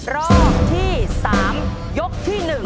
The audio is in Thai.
รอบที่๓ยกที่๑